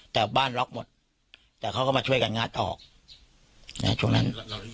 แต่บ้านล็อกหมดแต่เขาก็มาช่วยกันงัดออกช่วงนั้น